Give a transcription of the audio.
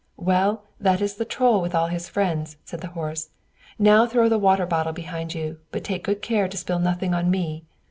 "Well, that is the Troll with all his friends," said the horse. "Now throw the water bottle behind you, but take good care to spill nothing on me!"